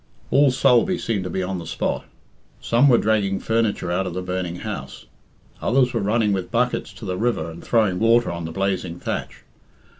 All Sulby seemed to be on the spot. Some were dragging furniture out of the burning house; others were running with buckets to the river and throwing water on the blazing thatch.